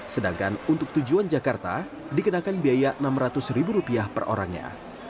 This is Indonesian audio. sedangkan untuk tujuan jakarta dikenakan biaya rp enam ratus per orangnya